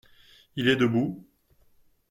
Il est debout.